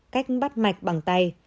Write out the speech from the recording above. cách bắt mạch bằng tay